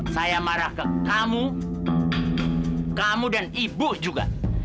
saya marah ke kamu kamu dan ibu juga